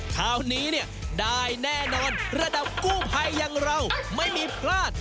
คราวนี้เนี่ยได้แน่นอนระดับกู้ภัยอย่างเราไม่มีพลาด